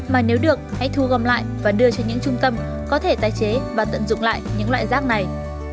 mà nếu được hãy thu gom lại và đưa cho những trung tâm có thể tái chế và tận dụng lại những loại rác này